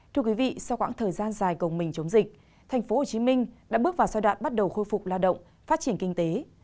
thưa quý vị sau quãng thời gian dài gồng mình chống dịch tp hcm đã bước vào giai đoạn bắt đầu khôi phục lao động phát triển kinh tế